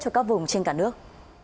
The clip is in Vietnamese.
cho các vùng trên cả nước